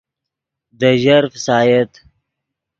دے ژر فسایت